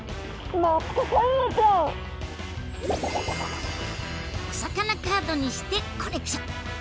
お魚カードにしてコレクション。